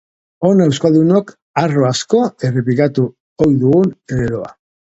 Hona eukaldunok harro asko errepikatu ohi dugun leloa.